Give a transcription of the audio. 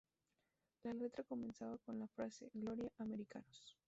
La letra comenzaba con la frase "Gloria, americanos".